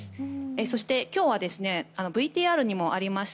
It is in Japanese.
そして、今日はＶＴＲにもありました